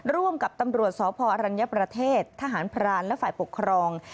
ร่วมกับตำรวจสพอรัญญประเทศทหารพรานและฝ่ายปกครอง